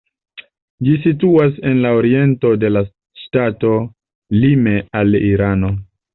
Ĝi situas en la oriento de la ŝtato, lime al Irano.